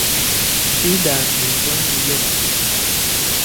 شیر در فنجان رویه بست.